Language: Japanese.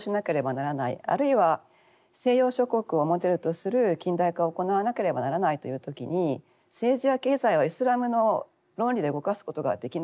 あるいは西洋諸国をモデルとする近代化を行わなければならないという時に政治や経済はイスラムの論理で動かすことができなくなっていた。